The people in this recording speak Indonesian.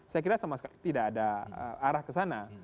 saya kira sama sekali tidak ada arah ke sana